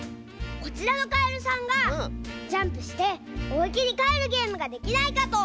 こちらのかえるさんがジャンプしておいけにかえるゲームができないかと！